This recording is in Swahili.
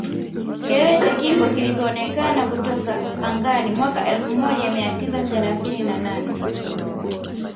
Kilele cha Kibo kilivyoonekana kutoka angani mwaka elfu moja mia tisa thelathini na nane